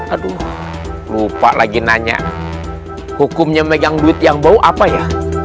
aduh lupa lagi nanya hukumnya megang duit yang bau apa ya